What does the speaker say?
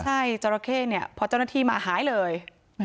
ใช่จราเข้เนี่ยพอเจ้าหน้าที่มาหายเลย